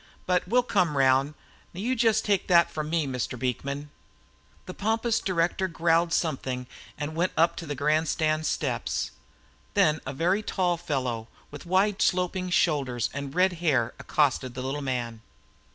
But we'll come round, now you just take that from me, Mr. Beekman." The pompous director growled something and went on up to the grandstand steps. Then a very tall fellow with wide, sloping shoulders and red hair accosted the little man.